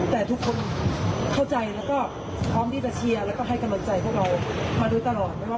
แต่ทุกคนเข้าใจแล้วก็พร้อมที่จะเชียร์แล้วก็ให้กำลังใจพวกเรามาโดยตลอดนะครับ